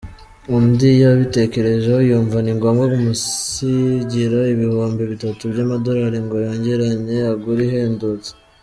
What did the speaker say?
Undi yabitekerejeho yumva ni ngombwa amusigira ibihumbi bitatu by’amadolari ngo yongeranye agure ihendutse”.